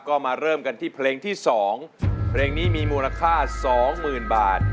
ก็มาเริ่มกันที่เพลงที่สองเพลงนี้มีมูลค่าสองหมื่นบาท